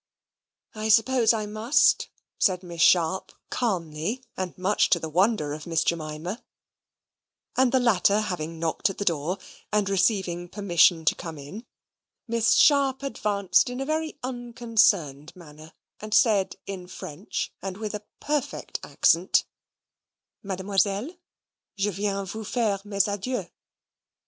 "I suppose I must," said Miss Sharp calmly, and much to the wonder of Miss Jemima; and the latter having knocked at the door, and receiving permission to come in, Miss Sharp advanced in a very unconcerned manner, and said in French, and with a perfect accent, "Mademoiselle, je viens vous faire mes adieux."